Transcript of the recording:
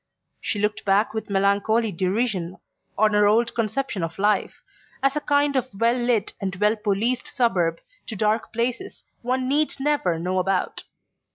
She looked back with melancholy derision on her old conception of life, as a kind of well lit and well policed suburb to dark places one need never know about.